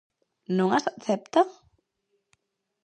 ¿Non as acepta?